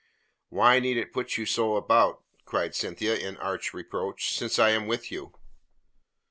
"Why need it put you so about," cried Cynthia, in arch reproach, "since I am with you?"